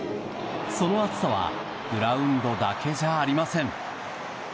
その熱さはグラウンドだけじゃありません。